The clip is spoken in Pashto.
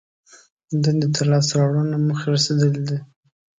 دندې لاس ته راوړنه موخې رسېدلي دي.